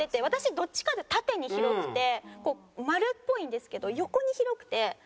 私どっちかっていうと縦に広くてこう丸っぽいんですけど横に広くて。